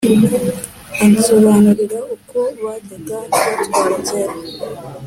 ansobanurira uko bajyaga batwara kera,